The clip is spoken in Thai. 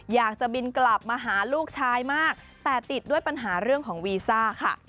อยากจะบินกลับมาหาลูกชายมากแต่ติดด้วยปัญหาเรื่องของวีซ่าค่ะ